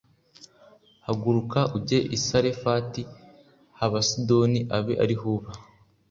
“Haguruka ujye i Sarefati h’Abasidoni abe ari ho uba